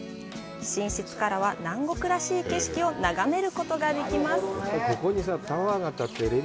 寝室からは南国らしい景色を眺めることができます。